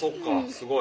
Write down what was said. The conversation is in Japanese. すごい。